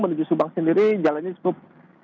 menuju subang sendiri jalan ini cukup